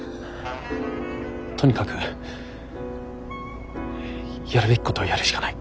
とにかくやるべきことをやるしかない。